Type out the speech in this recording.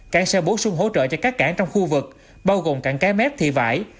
cảng sẽ bổ sung hỗ trợ cho các cảng trong khu vực bao gồm cảng cái mép thị vải